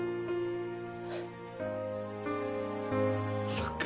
そっか。